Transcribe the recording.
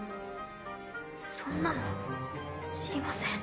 そんなの知りません。